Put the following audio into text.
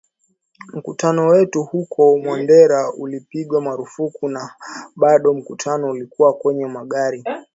Mkutano wetu huko Marondera ulipigwa marufuku na bado mkutano ulikuwa kwenye magari na mikutano mingine haikupigwa marufuku katika eneo hilo hilo